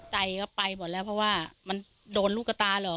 ใจก็ไปหมดแล้วเพราะว่ามันโดนลูกกระตาเหรอ